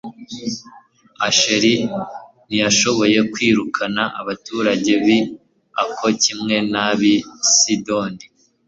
asheri ntiyashoboye kwirukana abaturage b'i ako kimwe n'ab'i sidoni